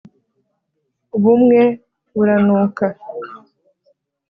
Ubumwe buranuka